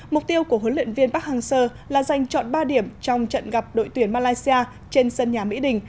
mục tiêu của huấn luyện viên park hang seo là giành chọn ba điểm trong trận gặp đội tuyển malaysia trên sân nhà mỹ đình